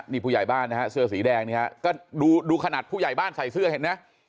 นี่ผู้ใหญ่บ้านนะฮะเสื้อสีแดงเนี่ยฮะก็ดูขนาดผู้ใหญ่บ้านใส่เสื้อเห็นไหม